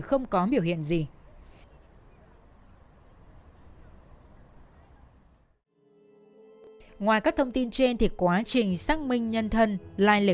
phương thức thủ đoạn phạm tội